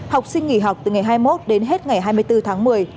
học sinh nghỉ học từ ngày hai mươi một đến hết ngày hai mươi bốn tháng một mươi